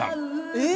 えっ！